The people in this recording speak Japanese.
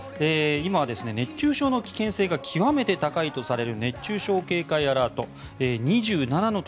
今は熱中症の危険性が高いとされる熱中症警戒アラートが２７の都